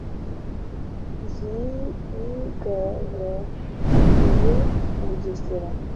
Zayigaragariye bugisesa;